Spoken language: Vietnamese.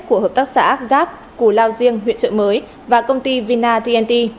của hợp tác xã gap củ lao riêng huyện trợ mới và công ty vina tnt